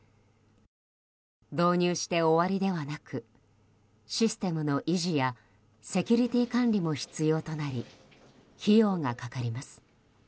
導入して終わりではなくシステムの維持やセキュリティー管理も必要となり費用がかかります。